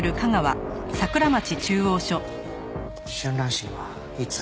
春蘭市にはいつ？